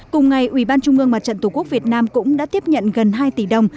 cùng ngày ủy ban trung ương mặt trận tổ quốc việt nam cũng đã tiếp nhận gần hai tỷ đồng